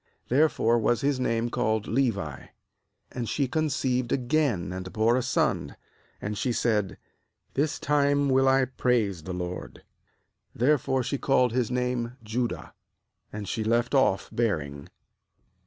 Therefore was his name called Levi. ^And she conceived again, and bore a son; and she said: 'This time will I epraise the LORD.' Therefore she called his name f Judah; and she left off bearing.